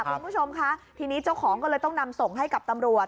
คุณผู้ชมคะทีนี้เจ้าของก็เลยต้องนำส่งให้กับตำรวจ